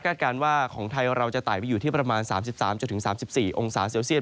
การว่าของไทยเราจะไต่ไปอยู่ที่ประมาณ๓๓๔องศาเซลเซียต